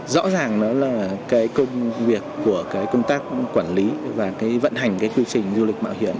rõ ràng nó là cái công việc của cái công tác quản lý và cái vận hành cái quy trình du lịch mạo hiểm